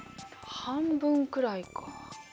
半分くらいか。